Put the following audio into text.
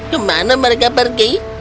kemana mereka pergi